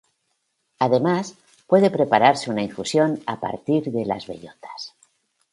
Además, puede prepararse una infusión a partir de las bellotas.